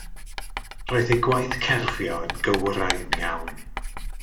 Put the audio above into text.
Roedd eu gwaith cerfio yn gywrain iawn.